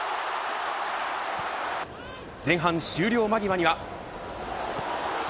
前半終了間際には。